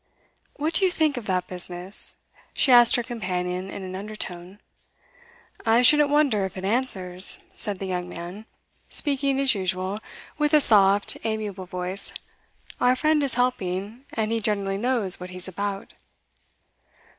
'What do you think of that business?' she asked her companion in an undertone. 'I shouldn't wonder if it answers,' said the young man, speaking as usual, with a soft, amiable voice. 'Our friend is helping, and he generally knows what he's about.